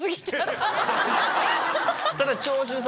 ただ。